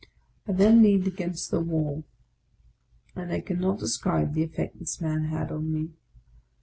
I then leaned against the wall, and I cannot describe the effect this man had on me.